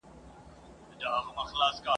زده کړي تر ناپوهۍ ډېري ګټوري دي.